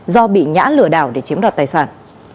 do bị ngã lừa đảo để chiếm đoạt tài sản